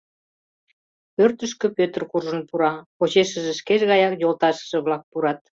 Пӧртышкӧ Пӧтыр куржын пура, почешыже шкеж гаяк йолташыже-влак пурат.